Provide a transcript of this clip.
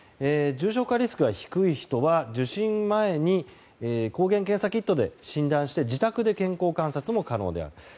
重症化リスクが低い人は受診前に抗原検査キットで診断して自宅で健康観察も可能である。